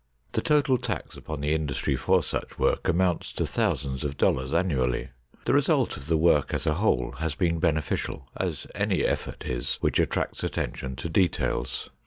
The total tax upon the industry for such work amounts to thousands of dollars annually. The result of the work as a whole has been beneficial, as any effort is which attracts attention to details.